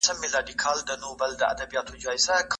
موخه مو باید روښانه وي.